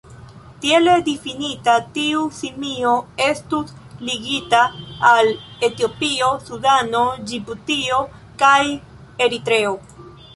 Tiele difinita, tiu simio estus limigita al Etiopio, Sudano, Ĝibutio kaj Eritreo.